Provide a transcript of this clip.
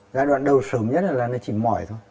giai đoạn đầu sớm nhất là nó chỉ mỏi thôi